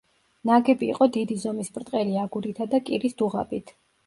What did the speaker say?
ნაგები იყო დიდი ზომის ბრტყელი აგურითა და კირის დუღაბით.